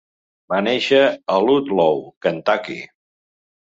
Va néixer a Ludlow, Kentucky.